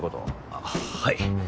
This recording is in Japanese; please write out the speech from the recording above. あっはい。